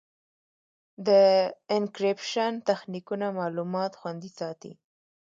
د انکریپشن تخنیکونه معلومات خوندي ساتي.